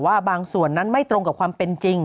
ว่าบางส่วนนั้นไม่ตรงกับความเป็นจริง